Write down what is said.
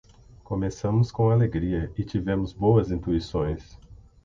Começamos com alegria e tivemos boas intuições